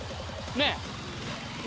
ねえ。